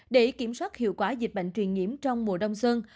để kiểm soát hiệu quả dịch bệnh truyền nhiễm trong mùa đông xuân